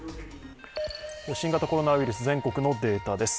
新型コロナウイルス全国のデータです。